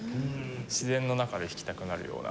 自然の中で弾きたくなるような。